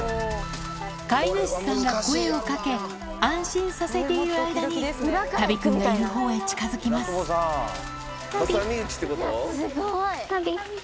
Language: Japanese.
飼い主さんが声をかけ安心させている間にタビ君がいる方へ近づきますタビタビ。